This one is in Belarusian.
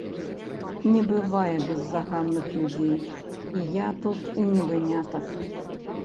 Не бывае беззаганных людзей, і я тут не вынятак.